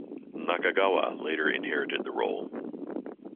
Nakagawa later inherited the role.